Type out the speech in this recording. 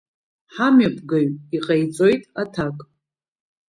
Ҳамҩаԥгаҩ иҟаиҵоит аҭак…